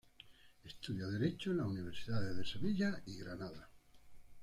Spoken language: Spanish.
Estudia Derecho en las universidades de Sevilla y Granada.